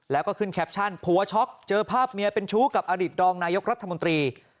แล้วก็ขึ้นแคปชั่นผัวช็อกเจอภาพเมียเป็นชู้กับอดีตรองนายกรัฐมนตรี